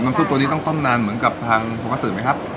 น้ำซุปตัวนี้ต้องต้นนานเหมือนกับทางโฮกาซื้อไหมครับ